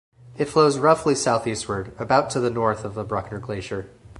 It flows roughly southeastward about to the north of the Bruckner Glacier.